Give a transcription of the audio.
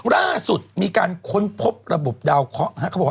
ล่าสุดมีการค้นพบระบบดาวเคราะห์